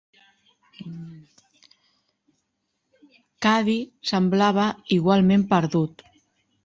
Caddy semblava igualment perdut.